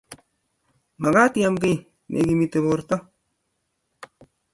magat iam kiy ne ikimiti porto